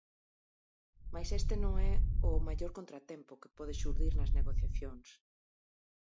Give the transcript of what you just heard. Mais este non é o maior contratempo que pode xurdir nas negociacións.